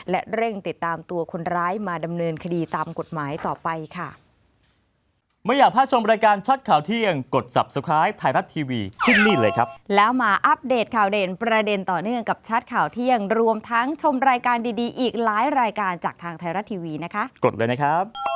และเร่งติดตามตัวคนร้ายมาดำเนินคดีตามกฎหมายต่อไปค่ะ